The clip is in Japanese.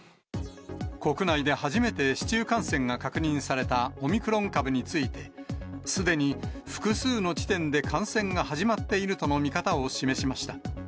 国内で初めて市中感染が確認されたオミクロン株について、すでに複数の地点で感染が始まっているとの見方を示しました。